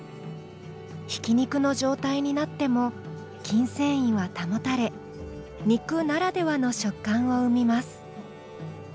ひき肉の状態になっても筋繊維は保たれ肉ならではの食感を生みます。